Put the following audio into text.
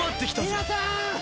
皆さん！